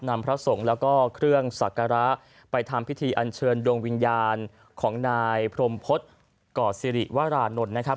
พระสงฆ์แล้วก็เครื่องสักการะไปทำพิธีอันเชิญดวงวิญญาณของนายพรมพฤษก่อศิริวรานนท์นะครับ